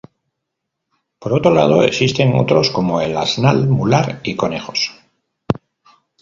Por otro lado existen otros como el asnal mular y conejos.